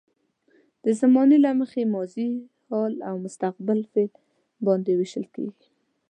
د زمانې له مخې ماضي، حال او مستقبل فعل باندې ویشل کیږي.